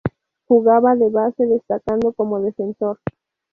Jugaba de base destacando como defensor.